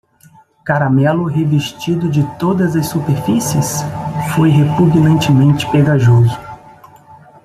Caramelo revestido de todas as superfícies? foi repugnantemente pegajoso.